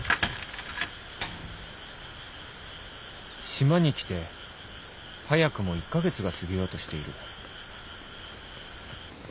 島に来て早くも１カ月が過ぎようとしている